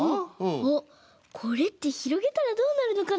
あっこれってひろげたらどうなるのかな？